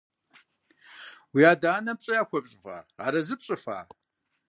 Уи адэ-анэм пщӀэ яхуэпщӀа, арэзы пщӀыфа?